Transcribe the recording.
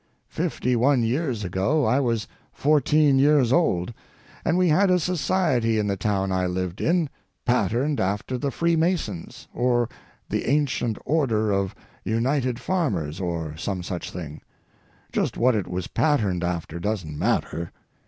Fifty one years ago I was fourteen years old, and we had a society in the town I lived in, patterned after the Freemasons, or the Ancient Order of United Farmers, or some such thing—just what it was patterned after doesn't matter.